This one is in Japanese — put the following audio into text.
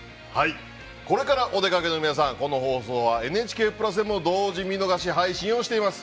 これからお出かけの皆さん、この放送はＮＨＫプラスでも同時・見逃し配信をしています。